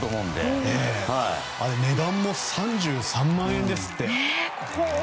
値段も３３万円ですって。